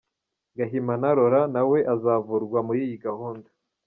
Gahimana Laurent nawe azavurwa muri iyi gahunda.